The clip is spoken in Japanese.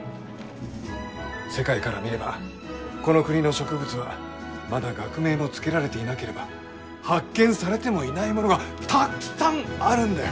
世界から見ればこの国の植物はまだ学名も付けられていなければ発見されてもいないものがたっくさんあるんだよ！